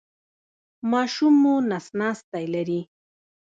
ماشوم مو نس ناستی لري؟